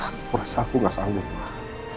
dengan rasa aku gak sanggup